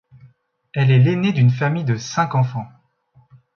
Elle est l'ainée d'une famille de cinq enfants.